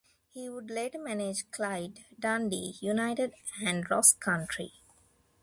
He would later manage Clyde, Dundee United and Ross County.